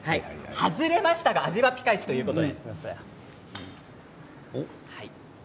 外れましたが味はぴかいちということで。